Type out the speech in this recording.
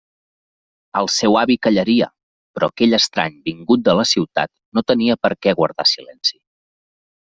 El seu avi callaria, però aquell estrany vingut de la ciutat no tenia per què guardar silenci.